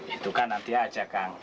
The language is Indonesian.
itu kan nanti aja kang